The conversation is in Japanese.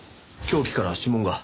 凶器から指紋が。